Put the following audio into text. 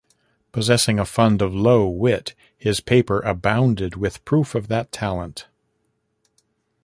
Possessing a fund of low wit, his paper abounded with proof of that talent.